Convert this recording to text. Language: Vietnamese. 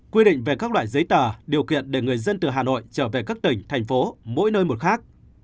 quy định về các loại giấy tờ điều kiện để người dân từ hà nội trở về các tỉnh thành phố mỗi nơi một khác